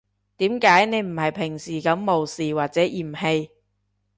點解你唔係平時噉無視或者嫌棄